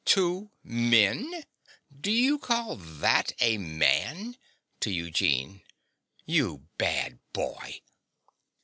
Two MEN! Do you call that a man? (To Eugene.) You bad boy!